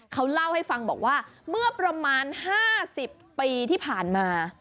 เขาเล่าให้ฟังบอกว่าเมื่อประมาณ๕๐ปีที่ผ่านมา